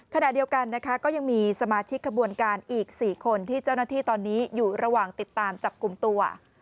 ขณะเดียวกันนะคะก็ยังมีสมาชิกขบวนการอีก๔คนที่เจ้าหน้าที่ตอนนี้อยู่ระหว่างติดตามจับกลุ่มตัว